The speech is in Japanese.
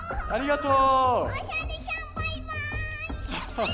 ありがとう！